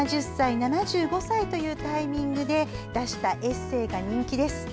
７０歳、７５歳というタイミングで出したエッセーが人気です。